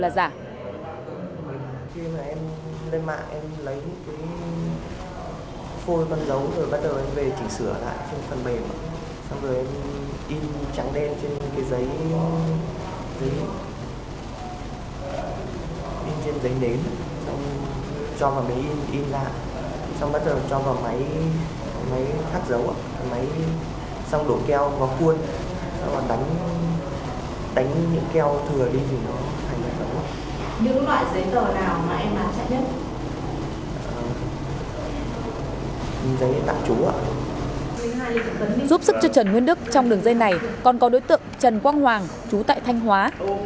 giúp sức cho trần nguyên đức trong đường dây này còn có đối tượng trần quang hoàng chú tại thanh hóa